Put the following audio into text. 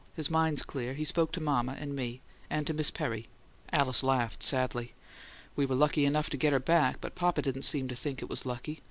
His mind's clear; he spoke to mama and me and to Miss Perry." Alice laughed sadly. "We were lucky enough to get her back, but papa didn't seem to think it was lucky.